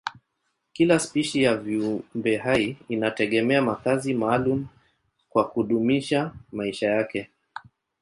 Kila spishi ya viumbehai inategemea makazi maalumu kwa kudumisha maisha yake.